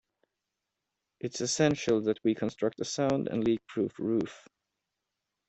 It's essential that we construct a sound and leakproof roof.